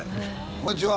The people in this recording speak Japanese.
こんにちは。